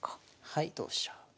はい同飛車。